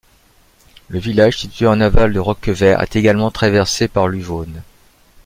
Le village, situé en aval de Roquevaire, est également traversé par l'Huveaune.